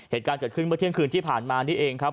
เหตุการณ์เกิดขึ้นเมื่อเที่ยงคืนที่ผ่านมานี่เองครับ